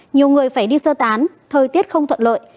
nhiều người phải đi sơ tán thời tiết không thuận lợi